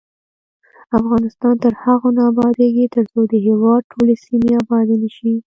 افغانستان تر هغو نه ابادیږي، ترڅو د هیواد ټولې سیمې آبادې نه شي.